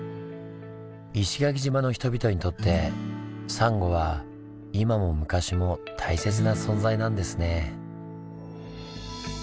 石垣島の人々にとってサンゴは今も昔も大切な存在なんですね。